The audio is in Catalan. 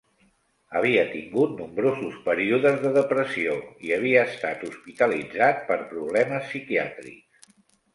Havia tingut nombrosos períodes de depressió i havia estat hospitalitzat per problemes psiquiàtrics.